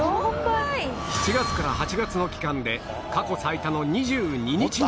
７月から８月の期間で過去最多の２２日に